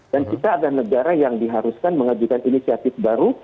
kita adalah negara yang diharuskan mengajukan inisiatif baru